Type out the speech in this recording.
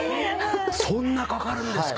そんなかかるんですか！？